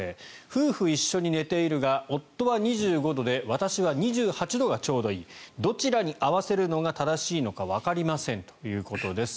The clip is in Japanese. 夫婦一緒に寝ているが夫は２５度で私は２８度がちょうどいいどちらに合わせるのが正しいのかわかりませんということです。